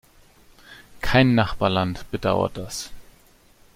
Kein Nachbarland bedauert das.